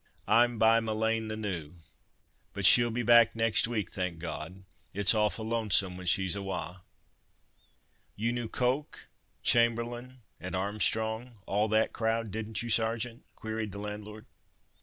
I'm by ma lane the noo—but she'll be back next week, thank God; it's awfu' lonesome, when she's awa." "You knew Coke, Chamberlain, and Armstrong, all that crowd—didn't you, Sergeant?" queried the landlord.